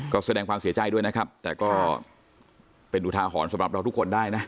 ก็แสดงความเสียใจด้วยนะครับแต่ก็เป็นอุทาหรณ์สำหรับเราทุกคนได้นะ